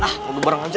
ah mau berang aja